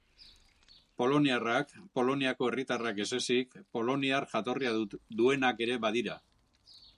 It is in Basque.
Poloniarrak Poloniako herritarrak ez ezik poloniar jatorria duenak ere badira.